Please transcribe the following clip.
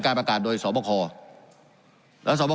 การปรับปรุงทางพื้นฐานสนามบิน